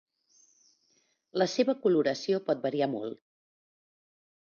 La seva coloració pot variar molt.